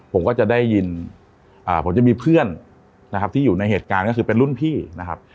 ผมก็จะได้ยินผมจะมีเพื่อนนะครับที่อยู่ในเหตุการณ์ก็คือเป็นรุ่นพี่นะครับ